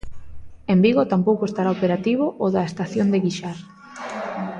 En Vigo tampouco estará operativo o da estación de Guixar.